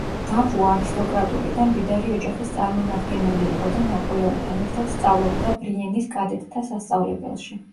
დავუ არისტოკრატული და მდიდარი ოჯახის წარმომადგენელი იყო და ნაპოლეონთან ერთად სწავლობდა ბრიენის კადეტთა სასწავლებელში.